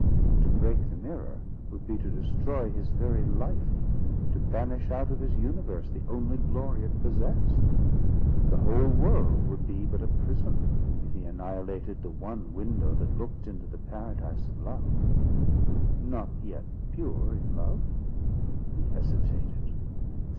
To break the mirror would be to destroy his very life, to banish out of his universe the only glory it possessed. The whole world would be but a prison, if he annihilated the one window that looked into the paradise of love. Not yet pure in love, he hesitated.